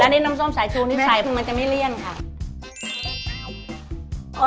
แล้วนี่น้ำส้มสายชูนี่ใส่มันจะไม่เลี่ยนค่ะ